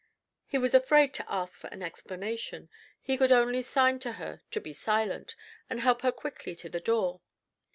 He was afraid to ask for an explanation; he could only sign to her to be silent, and help her quickly to the door.